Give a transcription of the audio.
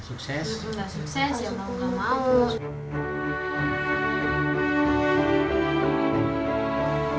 ya sukses ya mau mau